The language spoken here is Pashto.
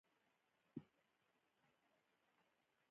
سخت پیغام هم په خورا اسانۍ ترې اخیستی شي.